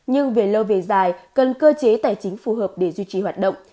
nhưng về lâu về dài cần cơ chế tài chính phù hợp để duy trì hoạt động